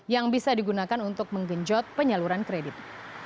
yang bisa digunakan untuk menggenjot penyaluran kredit